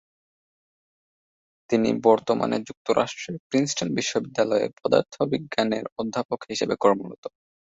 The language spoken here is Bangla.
তিনি বর্তমানে যুক্তরাষ্ট্রের প্রিন্সটন বিশ্ববিদ্যালয়ে পদার্থবিজ্ঞানের অধ্যাপক হিসেবে কর্মরত।